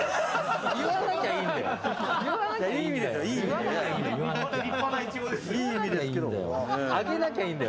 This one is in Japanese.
言わなきゃいいんだよ。